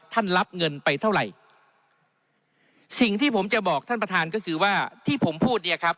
รับเงินไปเท่าไหร่สิ่งที่ผมจะบอกท่านประธานก็คือว่าที่ผมพูดเนี่ยครับ